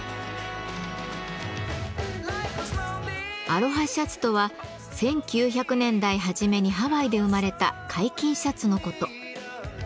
アロハシャツとは１９００年代はじめにハワイで生まれた開襟シャツのこと。